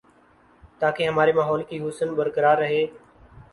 تاکہ ہمارے ماحول کی حسن برقرار رہے